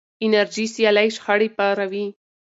انرژي سیالۍ شخړې پاروي.